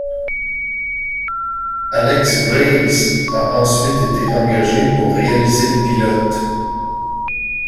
Alex Graves a ensuite été engagé pour réaliser le pilote.